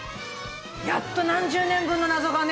やっと何十年分の謎がね